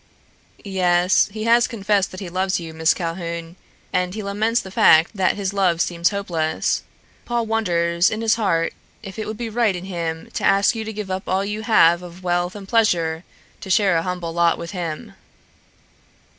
"Yes, he has confessed that he loves you, Miss Calhoun, and he laments the fact that his love seems hopeless. Paul wonders in his heart if it would be right in him to ask you to give up all you have of wealth and pleasure to share a humble lot with him."